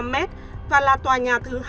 một trăm sáu mươi năm mét và là tòa nhà thứ hai